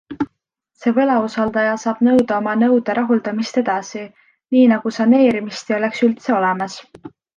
See võlausaldaja saab nõuda oma nõude rahuldamist edasi, nii nagu saneerimist ei oleks üldse olemas.